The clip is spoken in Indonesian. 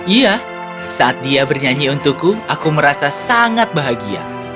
iya saat dia bernyanyi untukku aku merasa sangat bahagia